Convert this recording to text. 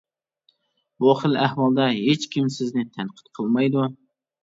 بۇ خىل ئەھۋالدا ھېچ كىم سىزنى تەنقىد قىلمايدۇ.